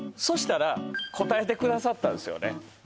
そしたら答えてくださったんですよね